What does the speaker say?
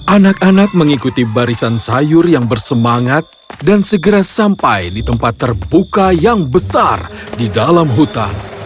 anak anak mengikuti barisan sayur yang bersemangat dan segera sampai di tempat terbuka yang besar di dalam hutan